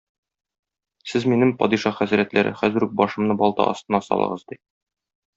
Сез минем, падиша хәзрәтләре, хәзер үк башымны балта астына салыгыз,- ди.